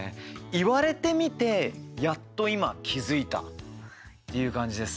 言われてみて、やっと今気付いたという感じです。